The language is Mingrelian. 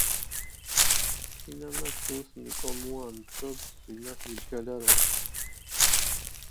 თინა მა შურს მიკომუანდჷ დო რინას მიბჟალარანდჷ.